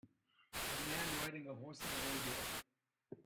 A man riding a horse at a rodeo.